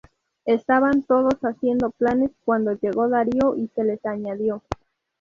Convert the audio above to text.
Estaban todos haciendo planes cuando llegó Darío y se les añadió.